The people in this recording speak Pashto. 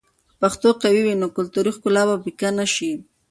که پښتو قوي وي، نو کلتوري ښکلا به پیکه نه شي.